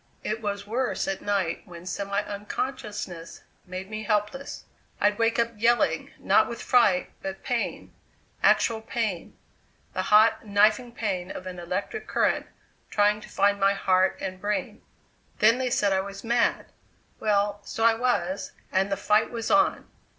"It was worse at night when semi unconsciousness made me helpless. I'd wake up yelling, not with fright, but pain, actual pain the hot, knifing pain of an electric current trying to find my heart and brain. "Then they said I was mad. Well, so I was; and the fight was on!